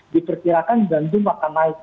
diperkirakan jantung akan naik